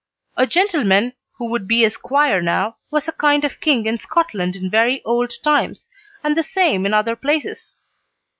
A gentleman who would be a squire now was a kind of king in Scotland in very old times, and the same in other places.